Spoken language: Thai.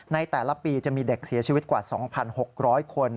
ในแต่ละปีจะมีเด็กเสียชีวิตกว่า๒๖๐๐คน